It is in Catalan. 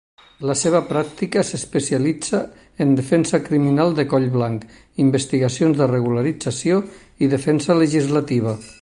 La seva pràctica s'especialitza en defensa criminal de coll blanc, investigacions de regularització i defensa legislativa.